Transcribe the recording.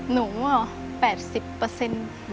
หนู๘๐เปอร์เซ็นต์